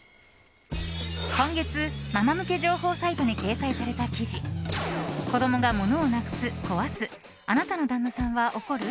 今月、ママ向け情報サイトに掲載された記事子どもがものをなくす・壊すあなたの旦那さんは怒る？